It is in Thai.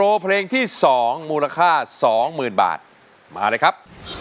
โปรเพลงที่สองมูลค่าสองหมื่นบาทมาเลยครับ